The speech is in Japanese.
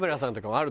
ある？